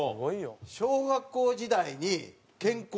小学校時代に「健康診断で」。